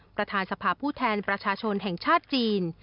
ประธานสภาพผู้แทนประชาชนแห่งชาติจีน